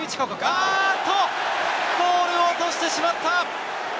あっと、ボールを落としてしまった！